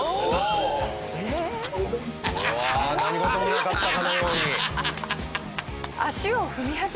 おお何事もなかったかのように。